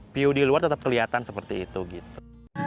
view diluar tetap kelihatan seperti itu gitu